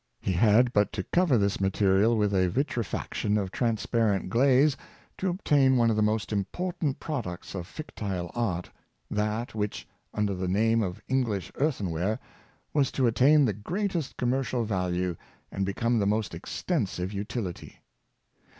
He had but to cover this material with a vitrification of transparent glaze, to obtain one of the most import ant products of fictile art — that which, under the name of English earthenware, was to attain the greatest commercial value and become of the most extensive utility..